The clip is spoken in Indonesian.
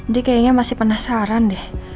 dia kayaknya masih penasaran deh